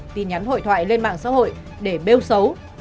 tin nhắn hội thoại lên mạng xã hội để bêu xấu